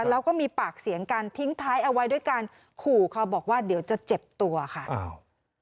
แล้วก็มีปากเสียงกันทิ้งท้ายเอาไว้ด้วยการขู่เขาบอกว่าเดี๋ยวจะเจ็บตัวค่ะอ้าว